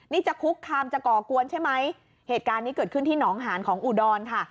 นี่จะคุกคามจะก่อกวนใช่ไหมเหตุการณ์นี้เกิดขึ้นที่หนองหานของอุดรค่ะ